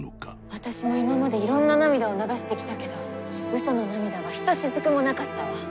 私も今までいろんな涙を流してきたけど嘘の涙はひとしずくもなかったわ。